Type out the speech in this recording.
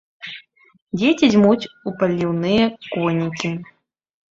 Дзеці дзьмуць у паліўныя конікі.